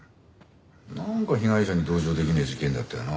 なんか被害者に同情できねえ事件だったよな。